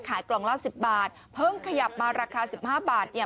กล่องละ๑๐บาทเพิ่งขยับมาราคาสิบห้าบาทเนี่ย